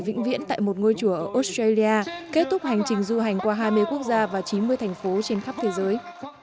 phật ngọc hòa bình sẽ được đặt tại một ngôi chùa ở australia kết thúc hành trình du hành qua hai mươi quốc gia và chín mươi thành phố trên khắp thế giới